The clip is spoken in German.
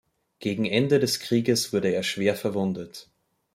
Gegen Ende des Krieges wurde er schwer verwundet.